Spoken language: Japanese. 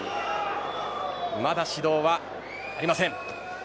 まだ指導はありません。